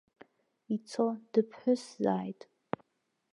Ицо дыԥҳәысзааит.